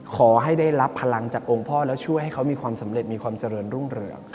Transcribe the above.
ขอให้ได้รับพลังจากองค์พ่อแล้วช่วยให้เขามีความสำเร็จมีความเจริญรุ่งเรือง